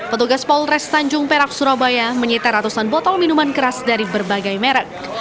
petugas polres tanjung perak surabaya menyita ratusan botol minuman keras dari berbagai merek